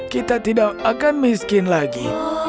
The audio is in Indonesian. kita tidak akan miskin lagi